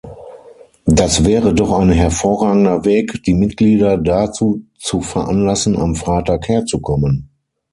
Das wäre doch ein hervorragender Weg, die Mitglieder dazu zu veranlassen, am Freitag herzukommen.